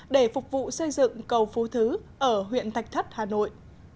để phục vụ xây dựng cầu phú thứ ở huyện thạch thất hà nội